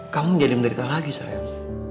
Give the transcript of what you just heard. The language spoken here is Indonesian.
kamu menjadi menderita lagi sayang